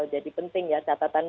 jadi penting ya catatan